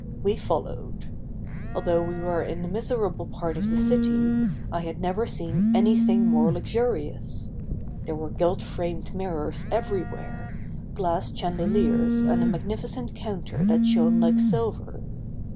We followed. Although we were in a miserable part of the city I had never seen anything more luxurious. There were gilt framed mirrors everywhere, glass chandeliers and a magnificent counter that shone like silver.